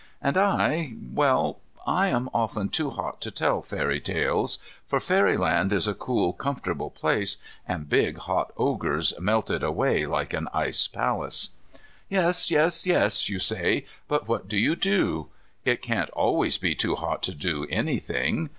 And I, well, I am often too hot to tell fairy tales. For fairyland is a cool, comfortable place, and big, hot Ogres melt it away like an ice palace. "Yes, yes, yes," you say, "but what do you do? It can't always be too hot to do anything."